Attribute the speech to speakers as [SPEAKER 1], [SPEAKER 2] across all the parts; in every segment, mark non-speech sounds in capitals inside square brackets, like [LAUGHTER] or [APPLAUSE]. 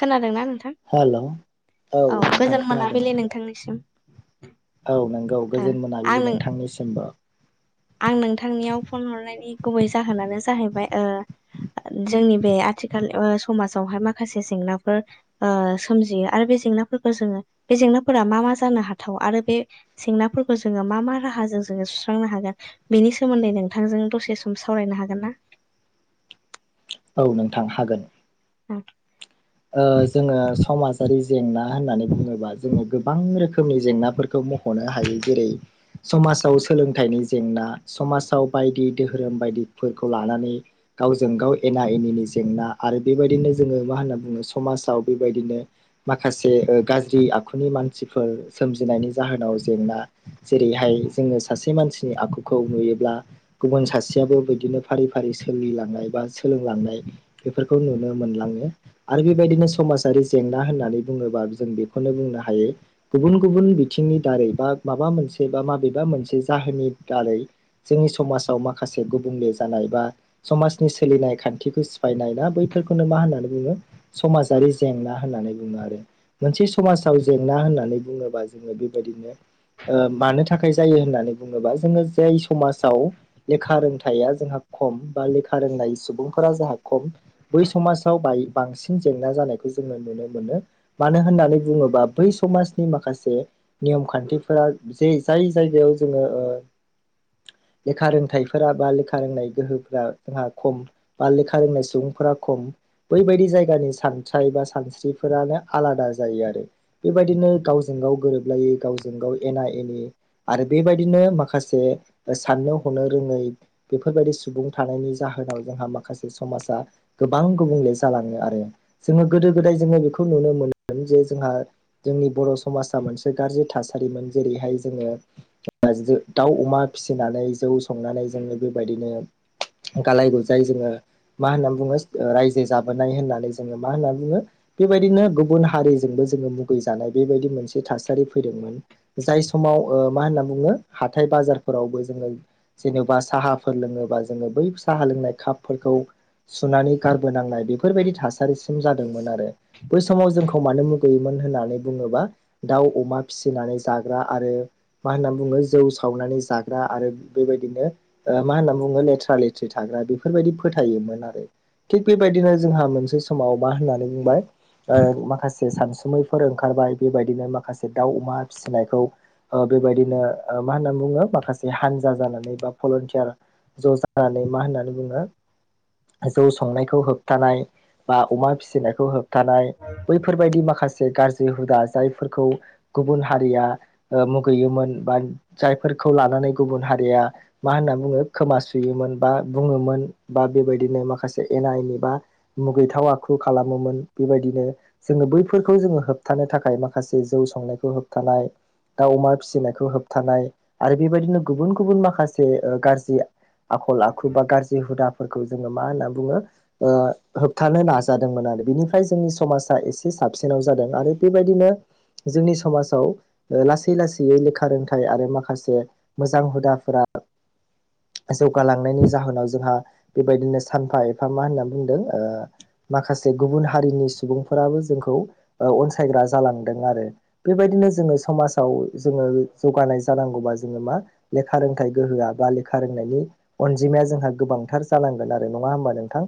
[SPEAKER 1] खोनादोंना नोंथां
[SPEAKER 2] हेल' औ
[SPEAKER 1] औ
[SPEAKER 2] नोंथां
[SPEAKER 1] गोजान
[SPEAKER 2] खोनादों
[SPEAKER 1] मोनाबिलि नोंथांनिसिम।
[SPEAKER 2] औ नंगौ
[SPEAKER 1] ओ
[SPEAKER 2] गोजोन
[SPEAKER 1] आं
[SPEAKER 2] मोनाबिलि
[SPEAKER 1] नों
[SPEAKER 2] नोंथांनिसिमबो
[SPEAKER 1] आं नोंथांनियाव फन हरनायनि गुबै जाहोनानो जाहैबाय ओ जोंनि बे आथिखाल ओ समाजावहाय माखासे जेंनाफोर ओ सोमजियो आरो बे जेंनाफोरखौ जोङो बे जेंनाफोरा मा मा जानो हाथाव आरो बे जेंनाफोरखौ जोङो मा मा राह जो जोङो सुस्रांनो हागोन। बेनि सोमोन्दै नोंथांजों दसे सम सावरायनो हागोन ना?
[SPEAKER 2] औ नोंथां हागोन।
[SPEAKER 1] ओ
[SPEAKER 2] ओ जोङो समाजारि जेंना होननानै बुङोबा जोङो गोबां रोखोमनि जेंनाफोरखौ मखनो हायो जेरै समाजाव सोलोंथाइनि जेंना समाजाव बायदि धोरोम बाय दि फोरखौ लानानै गावजों गाव एना एनिनि जेंना आरो बेबायदिनो जोङो मा होनो ओ समाजाव बेबायदिनो माखासे गाज्रि आखुनि मानसिफोर सोमजिनायनि जा होनाव जेंना जेरैहाय जोङो सासे मानसिनि आखुखौ नुयोब्ला गुबुन सासे बिदिनो फारि फारि सोलिलांनाय बा सोलोंलांनाय बेफोरखौ नुनो मोनलाङो। आरो बेबायदिनो समाजारि जेंना होननानै बुङोबा जों बेखौनो बुंनो हायो गुबुन गुबुन बिथिंनि दारै बा माबा मोनसे बा माबेबा मोनसे जाहोननि दारै जोंनि समाजाव मा खासे गुबुंले जानाय बा समाजनि सोलिनाय खान्थिखौ सिफायनाय ना बैफोरखौनो मा होननानै बुङो। समाजारि जेंना होननानै बुङो आरो मोनसे समाजाव जेंना होननानै बुङोबा जोङो बेबायदिनो ओ मानो थाखाय जायो होननानै बुङोबा जोङो जाय समाजाव लेखा रोंथाया जोंहा खम बा लेखा रोंनाय सुबुंफोरा जाहा खम बै समाजाव बाय बांसिन जेंना जानायखौ जोङो नुनो मोनो मानो होननानै बुङोबा बै समाजनि माखासे नियम खान्थिफोरा जे जाय जायगायाव जोङो ओ
[SPEAKER 1] [INAUDIBLE]
[SPEAKER 2] लेखा रोंथाइफोरा बा लेखा रोंनाय गोहोफोरा जोंहा खम बा लेखा रोंनाय सुबुंफोरा खम। बैबायदि जायगानि सानस्राय बा सानस्रिफोरानो आलादा जायो आरो बेबायदिनो गावजों गाव गोरोबलायै गावजों गाव एना-एनि आरो बेबायदिनो माखासे साननो हनो रोङै बेफोरबायदि सुबुं थानायनि जाहोनाव जोंहा माखासे समाजा गोबां गुबुंले जालो आरो जोङो गोदो-गोदाय जोङो बेखौ नुनो मोनो जे जोंहा जोंनि बर' समाजा मोनसे गाज्रि थासारिमोन जेरैहाय जोङो दाउ, अमा फिसिनानै जौ संनानै जोङो बेबायदिनो गालाय-गुजाय जोङो मा होननानै बुङो रायजो जाबोनाय होननानै जोङो मा होनना बुङो बेबायदिनो गुबुन हारिजोंबो जोङो मुगै जानाय बेबायदि मोनसे मोनसे थासारि फैदोंमोन जाय समाव मा होनना बुङो हाथाय बाजारफोरावबो जोङो जेन'बा साहाफोर लोङोबा जोङो बै साहा लोंनाय कापफोरखौ सुनानै गारबोनांनाय बेफोरबायदि थासारिसिम जादोंमोन आरो बै समाव जोंखौ मानो मुगैयोमोन होननानै बुङोबा दाउ अमा फिसिनानै जाग्रा आरो मा होननानै बुङो जौ सावनानै जाग्रा आरो बेबायदिनो ओ मा होननानै बुङो लेथ्रा लेथ्रि थाग्रा बेफोरबादि फोथायोमोन आरो थिग बेबायदिनो जोंहा मोनसे समाव मा होननानै बुंबाय माखासे सानसुमैफोर ओंखारबाय बेबायदिनो माखासे दाउ अमा फिसिनायखौ ओ बेबायदिनो मा होनना बुङो माखासे हानजा जानानै बा भलन्टियार ज' जानानै मा होननानै बुङो जौ संनायखौ हो बथानाय बा अमा फिसिनायखौ होबथानाय बैफोरबायदि माखासे गाज्रि हुदा जायफोरखौ गुबुन हारिया मुगैयोमोन बा जायफोर लानानै गुबुन हारिया मा होनना बुङो खोमा सुयोमोन बा बुङोमोन बा बेबायदिनो माखासे एना एनि एबा मुगैथाव आखु खालामोमोन बेबायदिनो जोङो बैफोरखौ जोङो होबथानो थाखाय माखासे जौ संनायखौ होबथानाय दा अमा फिसिनायखौ होबथानाय आरो बेबायदिनो गुबुन गुबुन माखासे गाज्रि आखल आखु बा गाज्रि हुदाफोरखौ जोङो मा होनना बुङो ओ होबथानो नाजादोंमोन आरो बिनिफ्राय जोंनि समाजा एसे साबसिआव जादों आरो बेबायदिनो जोंनि समाजाव लासै लासै लेखा रोंथाइ आरो माखासे मोजां हुदाफोरा जौगालांनायनि जाहोनाव जोंहा बेबायदिनो सानफा एफा मा होनना बुंदो माखासे गुबुन हारिनि सुबुंफोराबो जोंखौ अनसायग्रा जालांदों आरो बेबायदि जो समाव जोङो जौगानाय जानांगौबा जोङो मा लेखा रोंथाइ गोहोआ रोंनायनि अनजिमाया जोंहा गोबांथार जालांगोन आरो नङा होनबा नोंथां?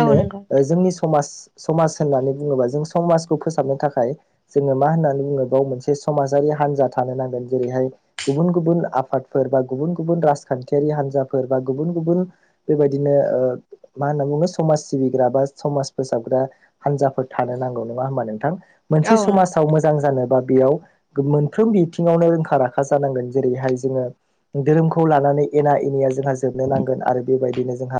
[SPEAKER 1] औ नंगौ
[SPEAKER 2] जोंनि समाज समाज होननानै बुङोबा जों समाजखौ फोसाबनो थाखाय जोङो मा होननानै बुङो बाव मोनसे समाजारि हनजा थानो नांगोन जेरैहाय गुबुन गुबुन आफादफोर बा गुबुन गुबुन राजखान्थिारि हान्जाफोर गुबुन गुबुन बेबायदिनो ओ मा होनना बुङो समाज सिबिग्रा बा समाज फोसाबग्रा हान्जाफोर थानो नांगौ नङा होमबा नोंथां? मोनसे
[SPEAKER 1] औ नंगौ
[SPEAKER 2] समाजाव मोजां जानोबा बेयाव मोनफ्रोम बिथिङावनो रोंखा राखा जानांगोन जेरैहाय जोङो धोरोमखौ लानानै एना एनिया जोंहा जोबनो नांगोन आरो बेबायदिनो जोंहा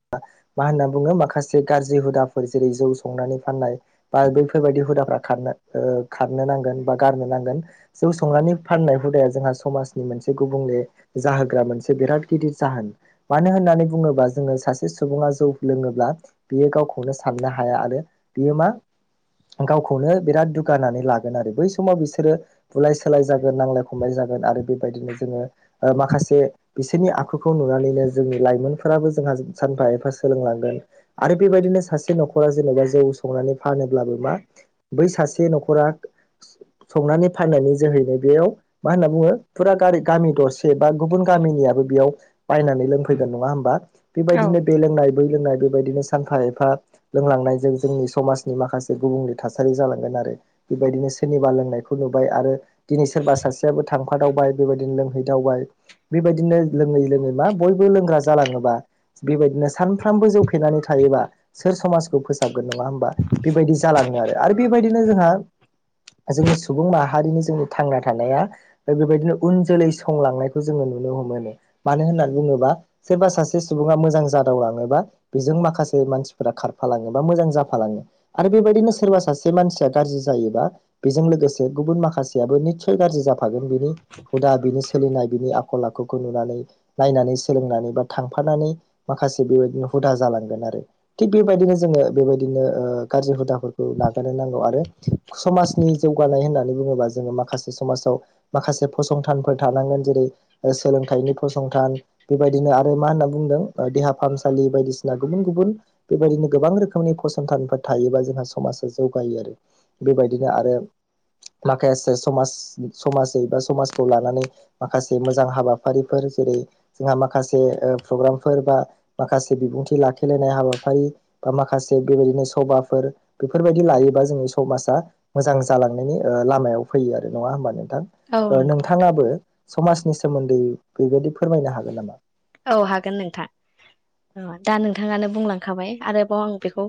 [SPEAKER 2] मा होनना बुङो माखासे जे गाज्रि हुदाफोर जेरै जौ संनानै फाननाय बा बैफोरबायाददि हुदाफ्रोरा खारनो ओ खारनो नांगोन बा गारनो नांगोन जौ संनानै फाननाय हुदाया जोंहा समाजनि मोनसे गुबुंले जाहोन मोनसे बिराद गिदिर जाहोन मानो होननानै बुङोबा जोङो सासे सुबुङा जौ लोङोब्ला बेयो गावखौनो साननो हाया आरो बियो मा गावखौनो बिराद दुगानानै लागोन आरो बै समाव बिसोरो बुलाय सोलाय जागोन नांलाय खमलाय जागोन आरो बेबायदिनो जोङो माखासे बिसोरनि आखुखौ नुनानैनो जोंनि लाइमोनफोराबो जों जोंहा सानफा एफा सोलोंलांगोन आरो बेबायदिनो सासे न'खरा जेनेबा जौ संनानै फानोब्लाबो मा बै सासे न'खरा संनानै फाननानै जोहैनो बेयाव मा होनना बुङो फुरा गारि गामि दरसे बा गुबुन गुबुन गामिनियाबो बेयाव बायनानै लोंफैगोन नङा होम्बा? बेबायदिनो बे लोंनाय बै लोंनाय बेबायदिनो सानफा एफा लोंलांनायजों जोंनि समाजनि माखासे गुबुंले थासारि जालांगोन आरो बेबायदिनो सोरनिबा लोंनायखौ नुबाय आरो दिनै सोरबा सासेयाबो थांफादावबाय बेबायदिनो लोंहैदावबाय बेबायदिनो लोङै लोङै मा बयबो लोंग्रा जालाङोबा बेबायदिनो सानफ्रामबो जौ फेनानै थायोबा सोर समाजखौ फोसाबगोन नङा होमबा बेबायदि जालाङो आरो आरो बेबायदिनो जोंहा जोंनि सुबुं माहारिनि जोंनि थांना थानाया बेबायदिनो उन जोलै संलांनायखौ जोङो नुनो हमोनो मानो होननानै बुङोबा सोरबा सासे सुबुङा मोजां जादावलाङोबा बेजों माखासे माखासे मानसिफोरा खारफालाङो बा मोजां जाफालाङो आरो बेबायदिनो सोरबा सासे मानसिया गारजि जायोबा बेजों लोगोसे गुबुन माखासेयाबो निसय गाज्रि जाफागोन बिनि हुदा बिनि सोलिनाय बिनि आख आखल आखुखौ नुनानै नायनानै सोलोंनानै बा थांफानानै माखासे बेबायदिनो हुदा जालांगोन आरो थिग बेबायदिनो जोङो बेबायदिनो ओ गाज्रि हुदाफोरखौ नागारनो नांगौ आरो समाज नि जौगानाय होन्नानै बुङोबा जोङो माखासे समाजाव माखासे फसंथानफोर थानांगोन जेरै सोलोंथाइनि फसंथान बेबायदिनो आरो मा होन्ना बुंदों देहा फाहामसालि बायदिसिना गुबुन गुबुन बेबायदिनो गोबां रोखोमनि फसंथानफोर थायोबा जोंहा समाजा जौगायो आरो बेबायदिनो दा आरो माखायेसे समाज समाजै बा समाजखौ लानानै माखासे मोजां हाबाफारिफोर जेरै जोंहा माखासे ओ प्रग्रामफोर बा माखासे बिबुंथि लाखि गेलेनाय हाबाफारि बा माखासे बेबायदिनो सभाफोर बेफोरबायदि लायोबा जोंनि समाजा मोजां जालांनायनि ओ लामायाव फैयो आरो नङा होमबा नो थां।
[SPEAKER 1] औ
[SPEAKER 2] ओ
[SPEAKER 1] नंगौ नोंथां
[SPEAKER 2] नोंथाङाबो समाजनि सोमोन्दै बेबायदि फोरमायनो हागोन नामा?
[SPEAKER 1] औ हागोन नोंथां। दा नोंथाङानो बुंलांखाबाय आरोबाव आं बेखौ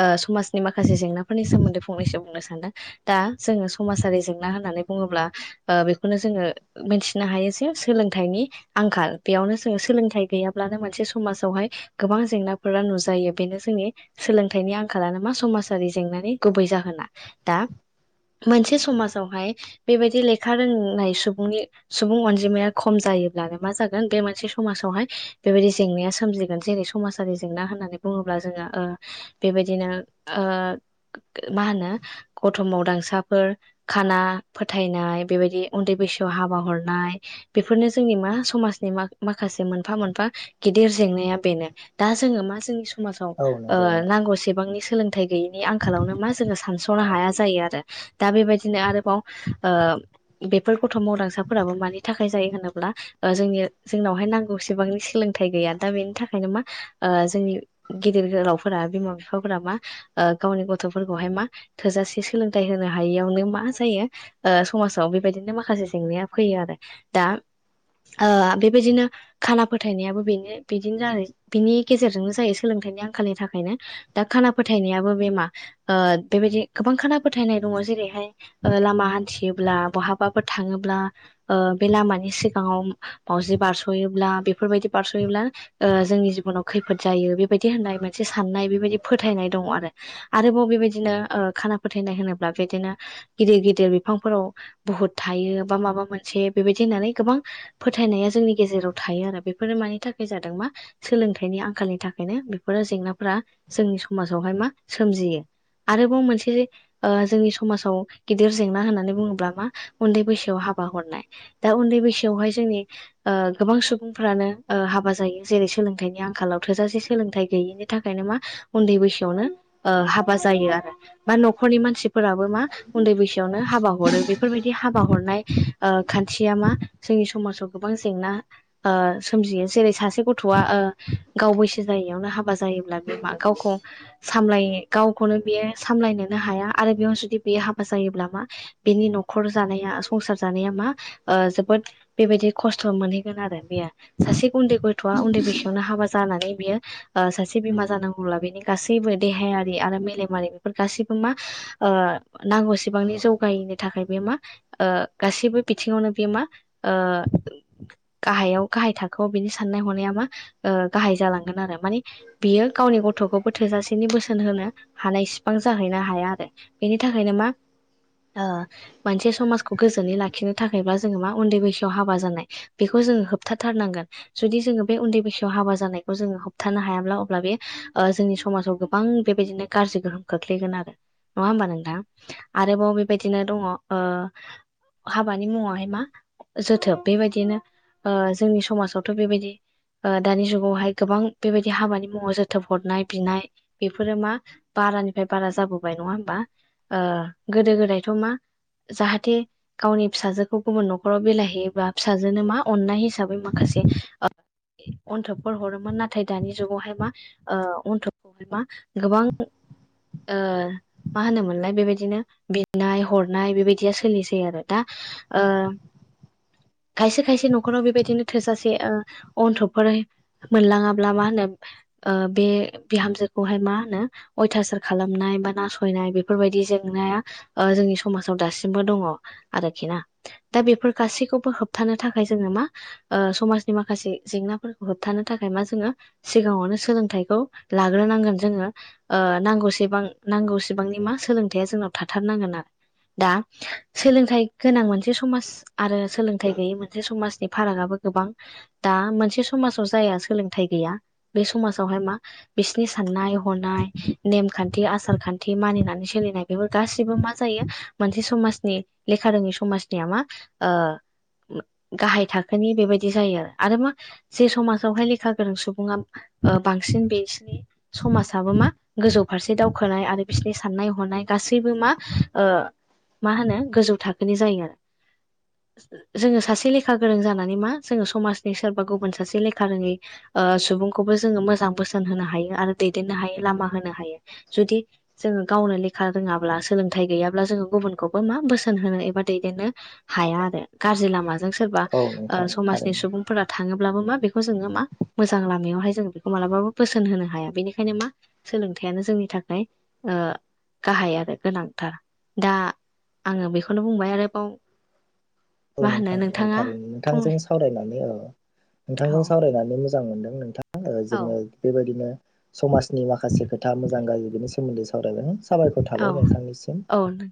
[SPEAKER 1] ओ समाजनि माखासे जेंनाफोरनि सोमोन्दै मोन्दै फंनैसो बुंनो सानदों, दा जोङो समाजारि जेंना होननानै बुङोब्ला ओ बेखौनो जोङो मिथिनो हायो जे सोलोंथाइनि आंखाल बेयावनो सोलोंथाइ गैयाब्लानो मोनसे समाजावहाय गोबां जेंनाफोरा नुजायो बेनो जोंनि सोलोंथाइनि नि आंखाला नो मा समाजारि जेंनानि गुबै जाहोना। दा मोनसे समाजावहाय बेबायदि लेखा रोंनाय सुबुंनि सुबुं अनजिमाया खम जा योब्लानो मा जागोन बे मोनसे स समाजावहाय बेबायदि जेंनाया सोमजिगोन जेरै समाजारि जेंना होननानै बुङोब्ला जोङो ओ बेबाय बायदिनो ओ मा होनो गथ' मावदांगांसाफोर, खाना फोथायनाय बेबायदि उन्दै बैसोआव हाबा हरनाय बेफोरनो जोंनि मा समाजनि मा माखासे मोनफा मोनफा गिदिर जेंनाया बेनो। दा जोङो मा जोंनि स समाजाव
[SPEAKER 2] औ
[SPEAKER 1] ओ
[SPEAKER 2] नंगौ नोंथां
[SPEAKER 1] नांगौसेबांनि सोलोंथाइ गैयैनि आंखालावनो मा जोङो सानस'नो हाया जायो आरो दा बेबायदिनो आरोबाव ओ बेफोर गथ' मावदांसाफोराबो मानि थाखाय जायो होनोब्ला ओ जोंनि जोंनावहाय नांगौसेबांनि सोलोंथाइ गैया दा बेनि थाखायनो मा ओ जोंनि गिदिर गोलावफोरा बिमा बिफाफोरा मा ओ गावनि गथ'फोरखौहाय मा थोजासे सोलोंथाइ होनो हायैयावनो मा जायो ओ समाजाव बेबायदिनो माखासे जेंनाया फैयो आरो दा ओ बे बेबायदिनो खाना फोथायनायाबो बेनो बिदिनो जायो बिनि गेजेरजोंनो जायो सोलोंथाइनि आंखालनि थाखायनो दा खाना फोथायनायाबो बे मा ओ बेबायदि गोबां खाना फोथायनाय दङ जेरैहाय ओ लामा हान्थियोब्ला बहाबाफोर थाङोब्ला ओ बे लामानि सिगाङाव माउजि बारस'योब्ला बेफोरबायदि बारस'योब्ला ओ जोंनि जिबनाव खैफोद जायो बेबायदि होननाय मोनसे साननाय बेबायदि फोथायनाय दङ आरो आरोबाव बेबायदिनो ओ खाना फोथायनाय होनोब्ला बेदिनो गिदिर गिदिर बिफांफोराव बहुद थायो बा माबा मोनसे बेबायदि होननानै गोबां फोथ थायनाया जोंनि गेजेराव थायो आरो बेफोरो मानि थाखाय जादों मा सोलोंथाइनि आंखालनि थाखायनो बेफोरो जेंनाफोरा जोंनि समाजावहाय मा सोमजियो। आरोबाव मोनसे ओ जोंनि समाजाव गिदिर जेंना होननानै बुङोब्ला मा उन्दै बैसोआव हाबा हाबा हरनाय। दा उन्दै बैसोआवहाय जोंनि ओ गोबां सुबुंफ्रानो ओ हाबा जायो जेरै सोलोंथाइनि आंखालाव थोजासे सोलोंथाइ गैयिनि थाखायनो मा उन्दै बैसोआवनो ओ हाबा जायो आरो मा न'खरनि मानसि फोराबो मा उन्दै बैसोआवनो हाबा हरो बेफोरबायदि हाबा हरनाय ओ खान्थिया मा जोंनि समाजाव गोबां जेंना ओ सोमजियो जेरै सासे गथ'आ ओ गाव बैसो जाययावनो हाब बा जायोब्ला बे मा गावखौ सामलाय गावखौनो बियो सामलायनोनो हाया आरो बेयाव जुदि बेयो हाबा जायोब्ला मा बेनि नख खर जानाया संसार जानाया मा ओ जोबोद बेबायदि खस्थ' मोनहैगोन आरो बेयो सासे उन्दै गथ'आ उन्दै बैसोआवनो हाबा जानानै बियो सासे ओ बिमा जानांगौब्ला बेनि गासैबो देहायारि आरो मेलेमारि बेफोर गासैबो मा ओ नांगौसेबांनि जौगायनि थाखाय बे मा ओ गासैबो बिथिङावनो बियो मा ओ गाहायाव गाहाय थाखोआव बिनि साननाय हनाया मा ओ गाहाय जालांगोन आरो माने बियो गावनि ग गथ'खौबो थोजासेनि बोसोन होनो हानाय सिफां जाहैनो हाया आरो बेनि थाखायनो मा ओ मोनसे समाजखौ गोजोनै लाखिनो थाखायब्ला जोङो मा उन्दै बैसोआव हाबा जानाय बेखौ जोङो होबथाथारनांगोन जुदि जोङो बे उन्दै बैसोआव हाबा जानायखौ जोङो होबथानो हायाब्ला अब्ला बे ओ जोंनि समाजाव गोबां बेबायदिनो गाज्रि गोहोम खोख्लैगोन आरो नङा होमबा नोंथां आरोबाव बेबायदिनो दङ ओ हाबानि मुङावहाय मा जोथोब बेबायदिनो ओ जोंनि समाजावथ' बेबायदि ओ दानि जुगावहाय गोबां बेबायदि हाबानि मुङाव जोथोब हरनाय बिनाय बेफोरो मा बारानिफ्राय बारा जाबोबाय नङा होमबा ओ गोदो गोदायथ' मा जाहाथे गावनि फिसाजोखौ गुबुन न'खराव बिलायहैयोबा फिसाजोनो मा अननाय हिसाबै माखासे अन्थकफोर हरोमोन नाथाय दानि जुगावहाय मा ओ अन्थबखौहाय मा गोबां ओ मा होनोमोनलाय बेबायदिनो बिनाय हरनाय बेबायदिया सोलिसै आरो दा ओ [INAUDIBLE] खायसे खायसे न'खराव बेबायदिनो थोजासे ओ अन्थबफोर मोनलाङाब्ला मा होनो ओ बे बिहामजोखौहाय मा होनो अयथासार खालामनाय बा नासयनाय बेफोरबायदि जे जेंनाया ओ जोंनि समाजाव दासिमबो दङ आरोखि ना दा बेफोर गासैखौबो होब थानो थाखाय जोङो मा ओ समाजनि माखासे जेंनाफोरखौ होबथानो थाखाय मा जोङो सिगाङावनो सोलोंथाइखौ लाग्रोनांगोन जोङो ओ नांगौ सेबां नांगौ सेबांनि मा सोलोंथाया जोंनाव थाथारनांगोन आरो दा सोलोंथाइ गोनां मोनसे समाज आरो सोलों गैयै मोनसे समाज फारागआबो गोबां दा मोनसे समाजाव जाया सोलोंथाइ गैया बे समाजावहाय मा बिसनि साननाय हनाय नेमखान्थि आसार खान्थि मानिनानै सोलिनाय बेफोर गासिबो मा जायो मोनसे समाजनि लेखा रोङि समाजनिया मा ओ गाहाय थाखोनि बेबायदि जायो आरो आरो मा जे समाजावहाय लेखा गोरों सुबुङा ओ बांसिन बेसनि समाजाबो मा गासैबो मा ओ मा होनो गोजौ थाखोनि जायो जोङो सासे लेखा गोरों जानानै मा जोङो समाजनि सोरबा गुबुन सासे लेखा रोङै ओ सुबुंखौबो जोङो मोजां बोसोन होनो हायो आरो दैदेनो हायो लामा होनो हायो जुदि जोङो गावनो लेखा रोङाब्ला सोलोंथाइ गैयाब्ला जोङो गुबुनखौबो मा बोसोन होनो एबा दैदेननो हाया आरो। गाज्रि लामाजों सोरबा
[SPEAKER 2] औ
[SPEAKER 1] ओ
[SPEAKER 2] नोंथां
[SPEAKER 1] समाजनि
[SPEAKER 2] थारैनो
[SPEAKER 1] सुबुंफोरा थाङो। अब्लाबो मा बेखौ जोङो मा मोजां लामायावहाय जोङो बेखौ मालाबाबो बोसोन होनो हाया बेनिखायनो मा सोलों थायानो जोंनि थाखाय ओ गाहाय आरो गोनांथार दा आङो बेखौनो बुंबाय आरोबाव
[SPEAKER 2] औ
[SPEAKER 1] मा होनो
[SPEAKER 2] नोंथां ओ
[SPEAKER 1] नोंथाङा
[SPEAKER 2] थारैनो नोंथांजों
[SPEAKER 1] फंनै
[SPEAKER 2] सावरायनानै ओ
[SPEAKER 1] औ
[SPEAKER 2] नोंथांजों सावरायनानै मोजां मोनदों नोंथां
[SPEAKER 1] औ
[SPEAKER 2] जोङो बेबादिनो समाजनि माखासे खोथा मोजां गाज्रि बेनि सोमोन्दै सावरायलाङो साबायखर
[SPEAKER 1] औ
[SPEAKER 2] थाबाय नोंथांनिसिम।
[SPEAKER 1] औ नों